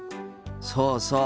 そうそう。